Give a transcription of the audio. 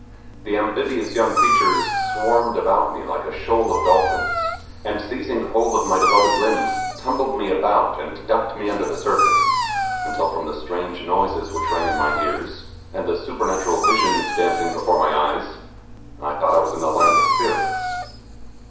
The amphibious young creatures swarmed about me like a shoal of dolphins, and seizing hold of my devoted limbs, tumbled me about and ducked me under the surface, until from the strange noises which rang in my ears, and the supernatural visions dancing before my eyes, I thought I was in the land of the spirits.